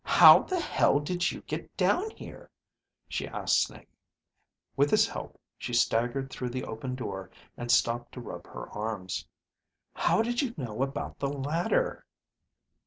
"How the hell did you get down here?" she asked Snake. With his help she staggered through the open door and stopped to rub her arms. "How did you know about the ladder?"